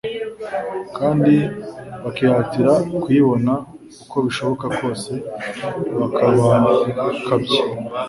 kandi "bakihatira kuyibona uko bishoboka kose bakabakabye"